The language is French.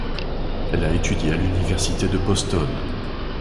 Elle a étudié à l'Université de Boston.